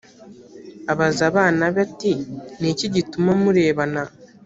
abaza abana be ati ni iki gituma murebana